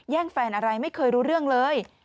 แฟนอะไรไม่เคยรู้เรื่องเลย